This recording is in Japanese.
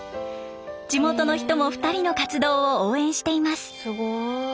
地元の人も２人の活動を応援しています。